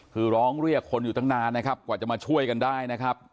คือร้องเรียกคนอยู่ตั้งนานนะครับกว่าจะมาช่วยกันได้นะครับ